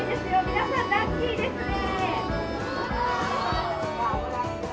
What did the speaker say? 皆さんラッキーですね！